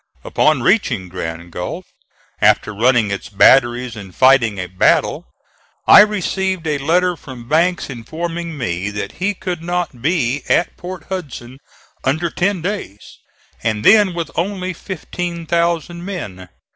Upon reaching Grand Gulf, after running its batteries and fighting a battle, I received a letter from Banks informing me that he could not be at Port Hudson under ten days, and then with only fifteen thousand men.